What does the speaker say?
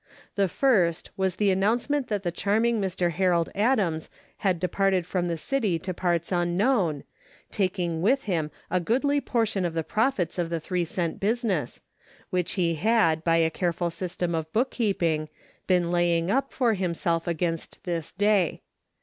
The first was the announce ment that the charming Mr. Harold Adams had departed from the city to parts unknown, taking with him a goodly portion of the prof its of the three cent business, which he had, by a careful system of bookkeeping, been lay ing up for himself against this day.